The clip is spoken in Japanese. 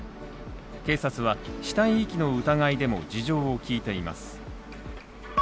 警察は、死体遺棄の疑いでも事情を聴いています。